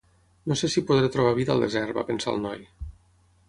No sé si podré trobar vida al desert, va pensar el noi.